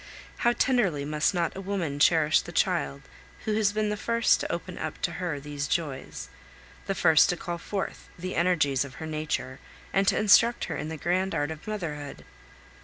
How tenderly must not a woman cherish the child who has been the first to open up to her these joys, the first to call forth the energies of her nature and to instruct her in the grand art of motherhood!